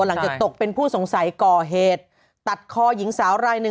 หลังจากตกเป็นผู้สงสัยก่อเหตุตัดคอหญิงสาวรายหนึ่ง